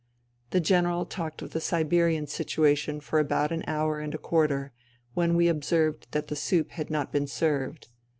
The General talked of the Siberian situation for about an hour and a quarter, when we observed that the soup had not been served.